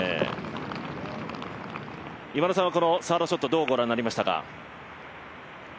今田さんはこのサードショット、どうご覧になりましたか。